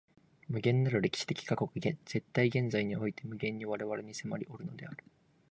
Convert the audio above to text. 無限なる歴史的過去が絶対現在において無限に我々に迫りおるのである。